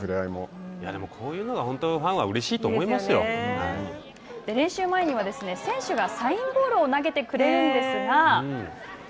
でも、こういうのが本当にファ練習前には選手がサインボールを投げてくれるんですが。